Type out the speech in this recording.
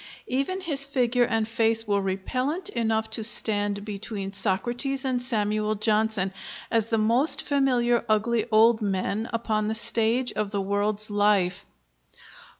Even his figure and face were repellent enough to stand between Socrates and Samuel Johnson, as the most familiar ugly old men upon the stage of the world's life.